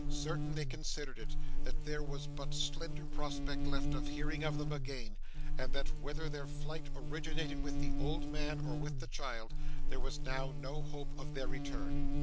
Certain they considered it, that there was but slender prospect left of hearing of them again, and that whether their flight originated with the old man, or with the child, there was now no hope of their return.